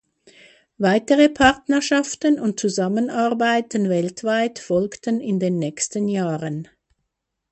Weitere Partnerschaften und Zusammenarbeiten weltweit folgten in den nächsten Jahren.